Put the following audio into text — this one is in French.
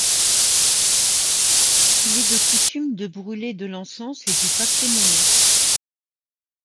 Il est de coutume de brûler de l'encens et du papier-monnaie.